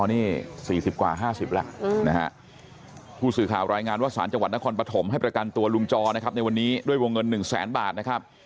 นี่๔๐กว่า๕๐แล้วนะฮะผู้สื่อข่าวรายงานว่าสารจังหวัดนครปฐมให้ประกันตัวลุงจอนะครับในวันนี้ด้วยวงเงิน๑แสนบาทนะครับ